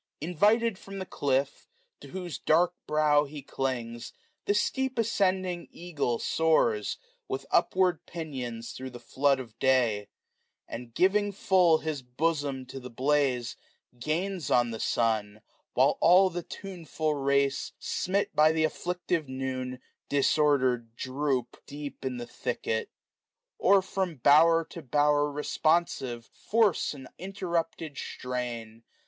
Invited from the clifi^, to whose dark brow He clings, the steep ascending eagle soars. With upward pinions thro* the flood of day ; And, giving full his bosom to the blaze, 610 Gdns on the sun*; while all the tuneful race, Smit by the aflHictive noon, disordered droop. Deep in the thicket ; or, from bower to bower Responsive, force an interrujpted strain.